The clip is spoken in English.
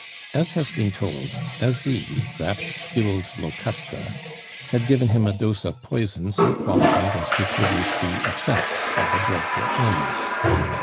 As has been told, Asie, that skilled Locusta, had given him a dose of poison so qualified as to produce the effects of a dreadful illness.